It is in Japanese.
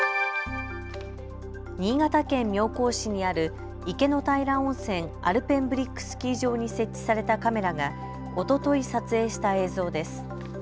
新潟県妙高市にある池の平温泉アルペンブリックスキー場に設置されたカメラがおととい撮影した映像です。